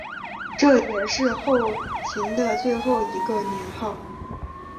这也是后秦的最后一个年号。